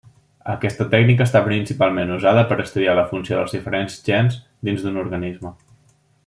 Aquesta tècnica està principalment usada per estudiar la funció dels diferents gens dins d'un organisme.